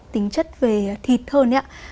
tính chất về thịt hơn